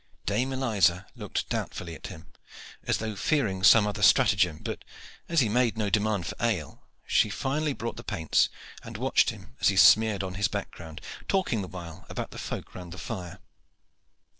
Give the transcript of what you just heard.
Dame Eliza looked doubtfully at him, as though fearing some other stratagem, but, as he made no demand for ale, she finally brought the paints, and watched him as he smeared on his background, talking the while about the folk round the fire.